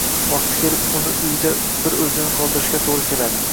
vaqti kelib uni uyda bir o‘zini qoldirishga to‘g‘ri keladi.